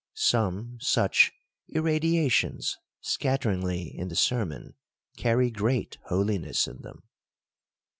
Some such irradiations scatteringly in the sermon, carry great holiness in them.